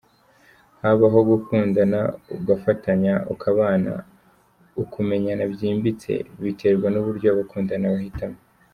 Habaho gukundana, ugufatanya, ukubana, ukumenyana byimbitse,…Biterwa n’uburyo abakundana bahitamo.